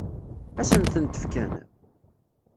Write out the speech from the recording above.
Ad sen-tent-fken?